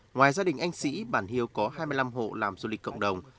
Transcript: ngoài gia đình anh sĩ bản hiếu có hai mươi năm hộ làm du lịch cộng đồng